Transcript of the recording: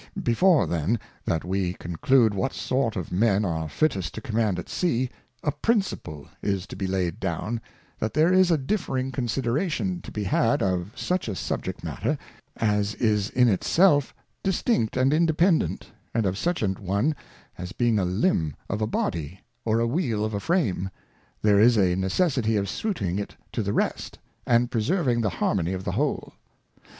Before then, that we conclude what sort of Men are fittest to Command at Sea, a Principle is to be laid down, that there is a differing Consideration to be had of such a Subject matter, as is in it self distinct and independent, and of such an one as being a Limb of a Body, or a Wheel of a Frame, there is a necessity of suiting it to the rest, and preserving the Harmony of the whole.